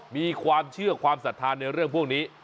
มีความเชื่อความศรัทธาในเรื่องพวกนี้